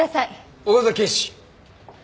岡崎警視。